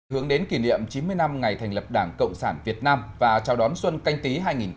hướng đến kỷ niệm chín mươi năm ngày thành lập đảng cộng sản việt nam và chào đón xuân canh tí hai nghìn hai mươi